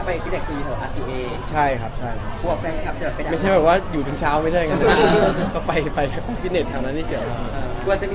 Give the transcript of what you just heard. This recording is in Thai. ไปไปแล้วออกกิจเนททางนั้นด้วย